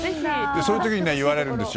その時に言われるんですよ。